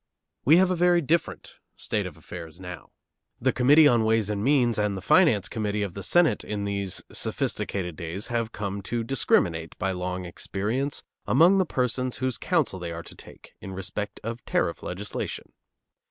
We have a very different state of affairs now. The Committee on Ways and Means and the Finance Committee of the Senate in these sophisticated days have come to discriminate by long experience among the persons whose counsel they are to take in respect of tariff legislation.